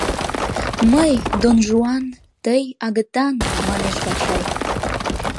— Мый — Дон-Жуан, тый — агытан! — манеш Вачай.